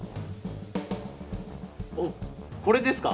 おっこれですか？